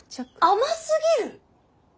甘すぎる。